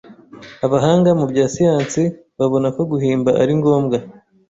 Abahanga mu bya siyansi babona ko guhimba ari ngombwa.